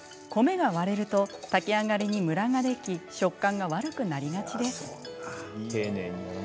米が割れると炊き上がりにムラができ食感が悪くなりがちです。